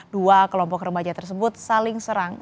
dua kelompok remaja tersebut saling serang